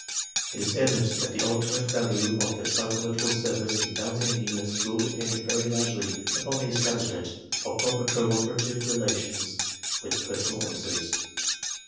It is evident that the ultimate value of the psychological service in balancing the imits will depend very largely upon the establishment of proper cooperative relations with personnel officers.